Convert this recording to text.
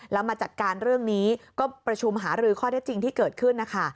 แล้วมาจัดการเรื่องนี้ก็ประชุมหารือข้อเท็จจริงที่เกิดขึ้นนะคะ